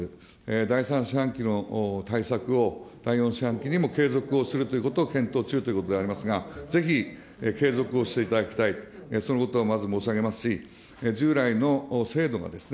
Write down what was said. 第３四半期の対策を第４四半期にも継続をするということを検討中ということでありますが、ぜひ継続をしていただきたい、そのことをまず申し上げますし、従来の制度がですね、